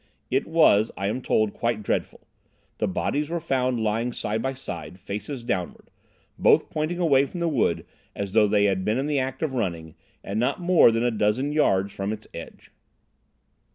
It was, I am told, quite dreadful. The bodies were found lying side by side, faces downwards, both pointing away from the wood, as though they had been in the act of running, and not more than a dozen yards from its edge."